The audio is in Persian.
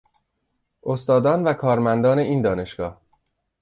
استادان و کارمندان این دانشگاه